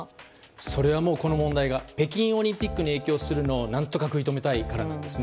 それはこの問題が北京オリンピックの影響するのを何とか食い止めたいからですね。